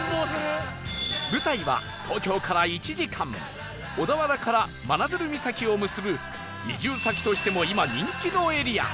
舞台は東京から１時間小田原から真鶴岬を結ぶ移住先としても今人気のエリア